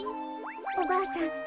おばあさん